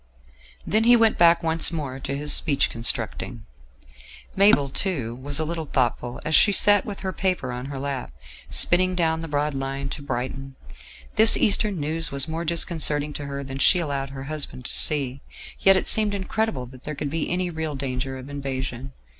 Then he went back once more to his speech constructing. Mabel, too, was a little thoughtful as she sat with her paper on her lap, spinning down the broad line to Brighton. This Eastern news was more disconcerting to her than she allowed her husband to see; yet it seemed incredible that there could be any real danger of invasion.